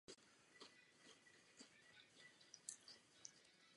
Tento přechod byl ale plně pozorovatelný jen v Pacifiku.